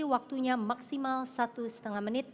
waktunya maksimal satu setengah menit